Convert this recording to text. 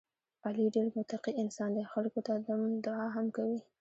علي ډېر متقی انسان دی، خلکو ته دم دعا هم کوي.